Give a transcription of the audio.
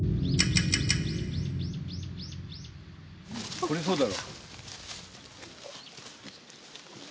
これそうだろ。